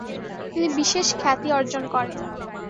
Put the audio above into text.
তিনি বিশেষ খ্যাতি অর্জন করে।